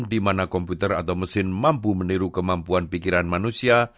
dimana komputer atau mesin mampu meniru kemampuan pikiran manusia